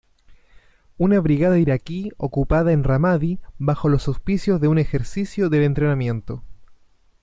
Una brigada iraquí ocupada en Ramadi bajo los auspicios de un ejercicio del entrenamiento.